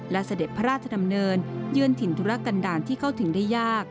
และเสด็จพระราชดำเนินเยื่อนถิ่นธุรกันดาลที่เข้าถึงได้ยาก